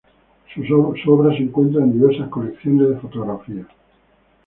Su obra se encuentra en diversas colecciones de fotografía.